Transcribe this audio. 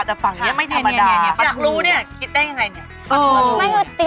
ไม่อยากรู้เนี่ยคิดได้ยังไง